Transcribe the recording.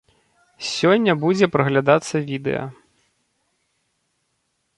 Сёння будзе праглядацца відэа.